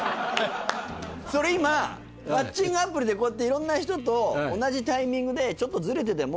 それ今マッチングアプリでいろんな人と同じタイミングでちょっとずれてても。